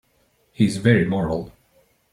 He's very moral.